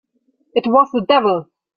It was the devil!